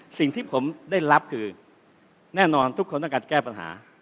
สิ่งที่ผมได้รับคือแน่นอนทุกคนต้องการแก้ปัญหา